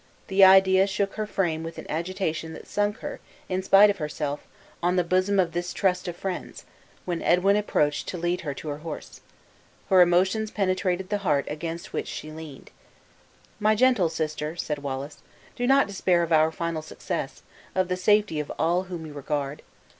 The idea shook her frame with an agitation that sunk her, in spite of herself, on the bosom of this trust of friends, when Edwin approached to lead her to her horse. Her emotions penetrated the heart against which she leaned. "My gentle sister," said Wallace, "do not despair of our final success; of the safety of all whom you regard."